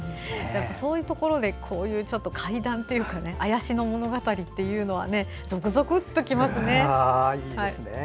そういうところで怪談というか妖しの物語というのはぞくぞくっときますね。